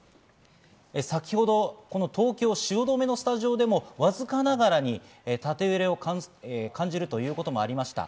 先ほど東京・汐留のスタジオでもわずかながらに縦揺れを感じるということもありました。